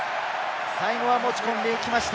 最後は持ち込んでいきました。